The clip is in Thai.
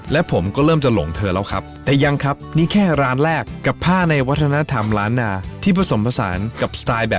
และผมก็เริ่มจะหลงเธอแล้วครับ